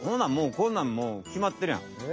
こんなんもうきまってるやん。